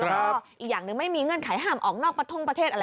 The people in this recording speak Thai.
แล้วก็อีกอย่างหนึ่งไม่มีเงื่อนไขห้ามออกนอกประท่งประเทศอะไร